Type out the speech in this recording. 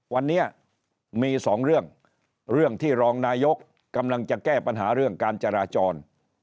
วันนี้มีสองเรื่องเรื่องที่รองนายกกำลังจะแก้ปัญหาเรื่องการจราจร